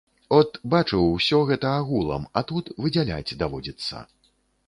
От, бачыў усё гэта агулам, а тут выдзяляць даводзіцца.